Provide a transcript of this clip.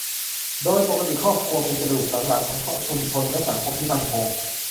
โดยปกติครอบครัวเป็นกระดูกสันหลังของชุมชนและสังคมที่มั่นคง